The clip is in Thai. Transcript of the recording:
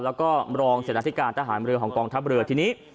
แล้วก็อำรองเศรษฐกาลทหารเมืองห่องกองทัพเมืองที่นี้